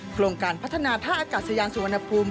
โครงการพัฒนาท่าอากาศยานสุวรรณภูมิ